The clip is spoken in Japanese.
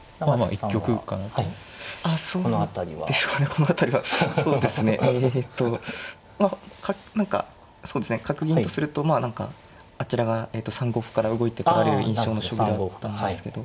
この辺りはそうですねえっとまあ何かそうですね角銀とするとまあ何かあちらが３五歩から動いてこられる印象の将棋だったんですけど。